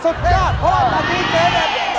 สุดยอดเพราะว่าตอนนี้เจ๊เด็ด